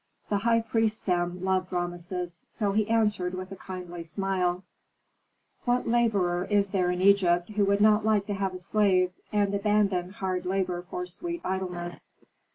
The high priest Sem loved Rameses; so he answered with a kindly smile, "What laborer is there in Egypt who would not like to have a slave, and abandon hard labor for sweet idleness?